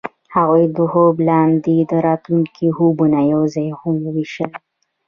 هغوی د خوب لاندې د راتلونکي خوبونه یوځای هم وویشل.